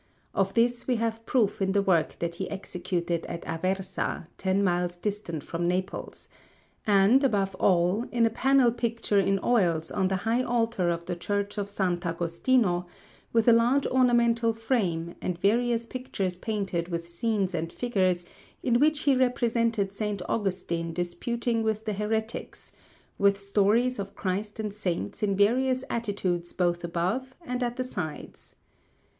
Of this we have proof in the work that he executed at Aversa, ten miles distant from Naples; and, above all, in a panel picture in oils on the high altar of the Church of S. Agostino, with a large ornamental frame, and various pictures painted with scenes and figures, in which he represented S. Augustine disputing with the heretics, with stories of Christ and Saints in various attitudes both above and at the sides.